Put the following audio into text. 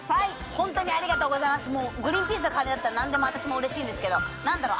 ホントにありがとうございますグリーンピースの代わりだったら何でも私もうれしいんですけど何だろう。